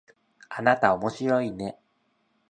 あなたおもしろいね